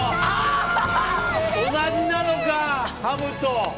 同じなのか、ハムと。